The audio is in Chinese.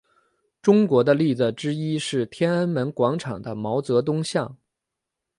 中国的例子之一是天安门广场的毛泽东像。